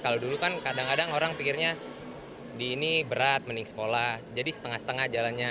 kalau dulu kan kadang kadang orang pikirnya di ini berat mending sekolah jadi setengah setengah jalannya